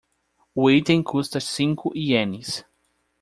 O item custa cinco ienes.